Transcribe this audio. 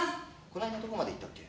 この間どこまでいったっけ？